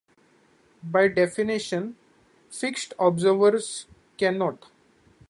By definition, fixed observers cannot.